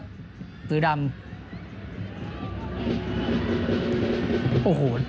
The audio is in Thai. ส่วนที่สุดท้ายส่วนที่สุดท้าย